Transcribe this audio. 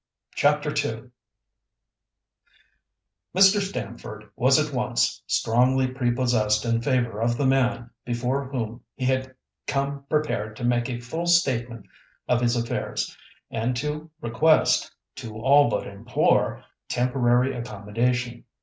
CHAPTER II Mr. Stamford was at once strongly prepossessed in favour of the man before whom he had come prepared to make a full statement of his affairs, and to request—to all but implore—temporary accommodation.